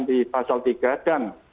di pasal tiga dan